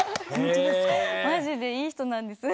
マジでいい人なんです。